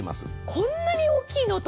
こんなに大きいの？と。